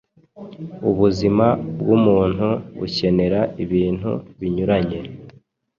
Ubuzima bw’umuntu bukenera ibintu binyuranye.